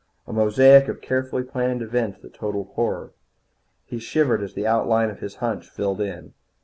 A mosaic of carefully planned events that totalled horror. He shivered as the outlines of his hunch filled in.